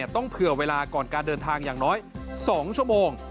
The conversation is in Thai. ต้องเผื่อเวลาก่อนการเดินทางอย่างน้อย๒ชั่วโมง